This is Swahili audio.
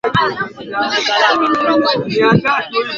mapishi ya majani ya viazi lishe matembele